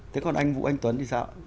thế còn anh vũ anh tuấn thì sao ạ